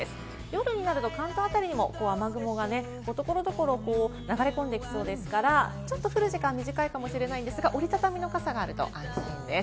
夜になると関東あたりも雨雲が所々、流れ込んできそうですから、降る時間は短いかもしれませんが、折り畳みの傘があると安心です。